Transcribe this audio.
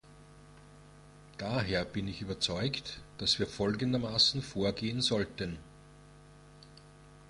Daher bin ich überzeugt, dass wir folgendermaßen vorgehen sollten.